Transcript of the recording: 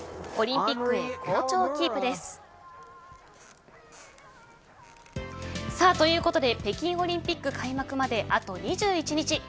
オリンピックへ好調をキということで北京オリンピック開幕まであと２１日。